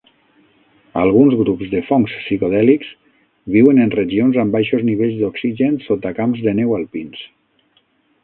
Alguns grups de fongs psicodèlics viuen en regions amb baixos nivells d'oxigen sota camps de neu alpins.